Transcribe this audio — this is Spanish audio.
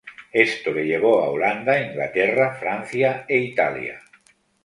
Esto le llevó a Holanda, Inglaterra, Francia e Italia.